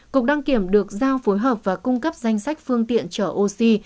cục đăng kiểm được giao phối hợp và cung cấp danh sách phương tiện chở oxy